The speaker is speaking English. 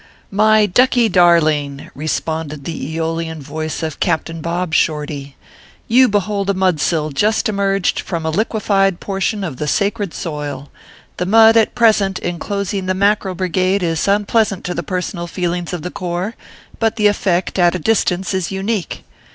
" My ducky darling," responded the a3olian voice of Captain Bob Shorty, " you behold a mudsill just ORPHEUS C. KERR PAPERS. 191 emerged from a liquified portion of the sacred soil. The mud at present inclosing the Mackerel Brigade is unpleasant to the personal feelings of the corps, but the effect at a distance is unique.